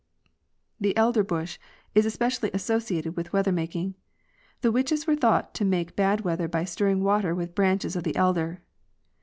The elder bush is especially associated with weather making. The witches were thought to make bad weather by stirring water with branches of the elder.